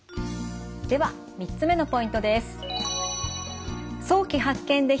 では３つ目のポイントです。